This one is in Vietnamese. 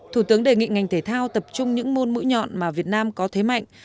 thủ tướng đề nghị ngành thể thao tập trung những môn mũi nhọn mà việt nam có thế mạnh